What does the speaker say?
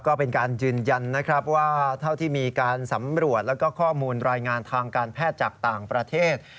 ก็เป็นการยืนยันนะครับว่าเท่าที่มีการสำรวจแล้วก็ข้อมูลรายงานทางการแพทย์จากต่างประเทศ